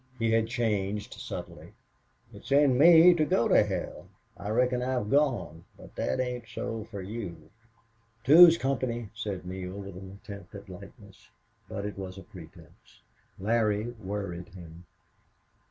He had changed subtly. "It's in me to go to hell I reckon I've gone but that ain't so for you." "Two's company," said Neale, with an attempt at lightness. But it was a pretense. Larry worried him.